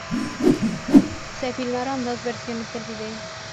Se filmaron dos versiones del vídeo.